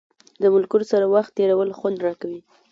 د ملګرو سره وخت تېرول خوند راکوي.